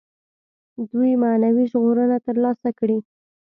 دوی معنوي ژغورنه تر لاسه کړي.